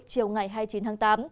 chiều ngày hai mươi chín tháng tám